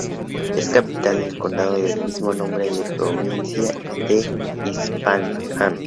Es capital del condado del mismo nombre en la provincia de Isfahán.